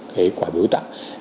cái quả biểu tạng